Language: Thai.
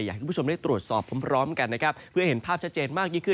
อยากให้คุณผู้ชมได้ตรวจสอบพร้อมพร้อมกันเพื่อเห็นภาพชัดเจนมากยิ่งขึ้น